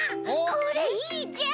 これいいじゃん！